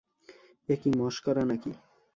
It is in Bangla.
এ কী মশকরা নাকি?